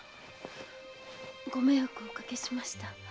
ご迷惑おかけしました。